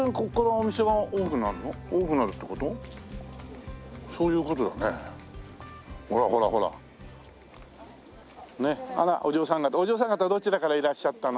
お嬢さん方どちらからいらっしゃったの？